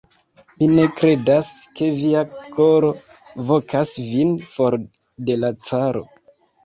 Mi ne kredas, ke via koro vokas vin for de la caro.